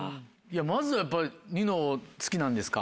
まずはやっぱりニノ好きなんですか？